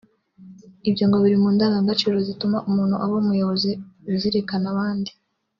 Ibyo ngo biri mu ndangagaciro zituma umuntu aba umuyobozi uzirikana abandi